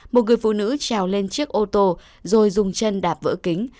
một người phụ nữ trèo lên chiếc ô tô rồi dùng chân đạp vỡ kính